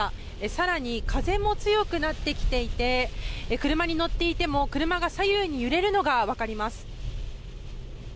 更に風も強くなってきていて車に乗っていても車が左右に揺れるのが分かります。